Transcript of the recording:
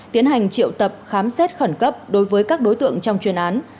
tiến hành triệu tập khám xét khẩn cấp đối với các đối tượng trong chuyên án